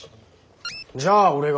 じゃあ俺が。